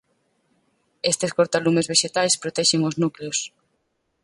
Estes cortalumes vexetais protexen os núcleos.